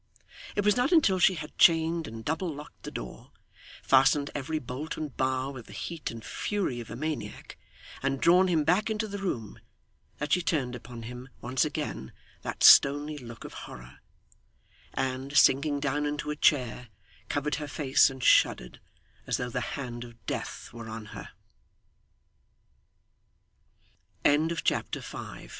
It was not until she had chained and double locked the door, fastened every bolt and bar with the heat and fury of a maniac, and drawn him back into the room, that she turned upon him, once again, that stony look of horror, and, sinking down into a chair, covered her face, and shuddered, as though the hand of dea